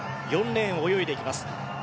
４レーンを泳いでいきます。